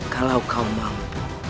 kalau kau mampu